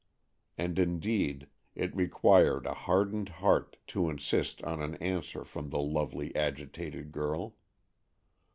And indeed it required a hardened heart to insist on an answer from the lovely, agitated girl.